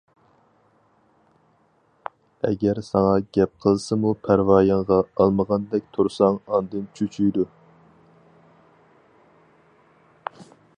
ئەگەر ساڭا گەپ قىلسىمۇ پەرۋايىڭغا ئالمىغاندەك تۇرساڭ ئاندىن چۈچۈيدۇ.